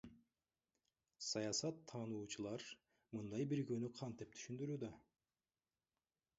Саясат тануучулар мындай биригүүнү кантип түшүндүрүүдө?